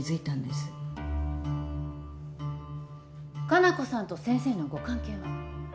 加奈子さんと先生のご関係は？